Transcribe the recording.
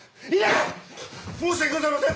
申し訳ございません！